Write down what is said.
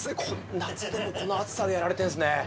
夏でもこの暑さでやられているんですね。